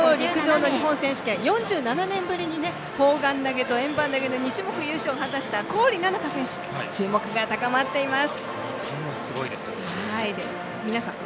新潟といえば今年の陸上の日本選手権４７年ぶりに砲丸投げと円盤投げの２種目優勝を果たした郡菜々佳選手注目が高まっています。